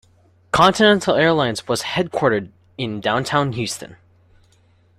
Continental Airlines was headquartered in downtown Houston.